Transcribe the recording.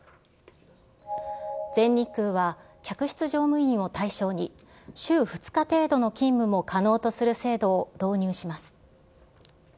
全日空は客室乗務員を対象に、週２日程度の勤務も可能とする制度を導入します。